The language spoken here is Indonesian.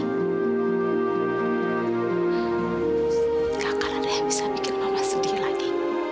tidak akan ada yang bisa bikin mama sedih lagi